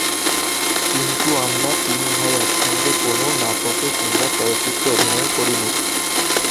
কিন্তু আমরা তিন ভাই একসঙ্গে কোনো নাটকে কিংবা চলচ্চিত্রে অভিনয় করিনি।